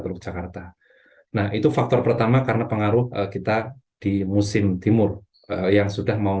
teluk jakarta nah itu faktor pertama karena pengaruh kita di musim timur yang sudah mau